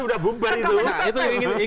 udah bubar itu